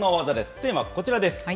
テーマはこちらです。